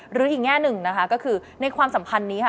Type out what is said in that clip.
หรืออีกแง่หนึ่งนะคะก็คือในความสัมพันธ์นี้ค่ะ